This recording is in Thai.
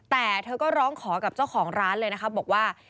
แต่เธอก็ร้องขอกับเจ้าของร้านเลยนะคะบอกว่า